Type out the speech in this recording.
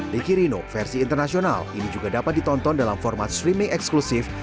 ricky rino versi internasional ini juga dapat ditonton dalam format streaming eksklusif